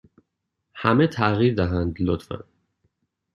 همه تغییر دهند، لطفا.